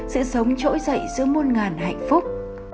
sẽ sống trỗi dậy giữa môn ngàn hạnh phúc